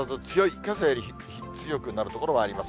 けさより強くなる所があります。